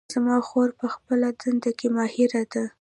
زما خور په خپله دنده کې ماهره ده